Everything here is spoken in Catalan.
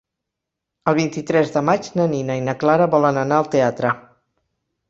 El vint-i-tres de maig na Nina i na Clara volen anar al teatre.